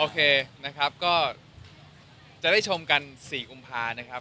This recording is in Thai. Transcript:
นะครับก็จะได้ชมกัน๔กุมภานะครับ